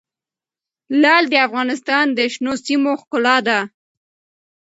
لعل د افغانستان د شنو سیمو ښکلا ده.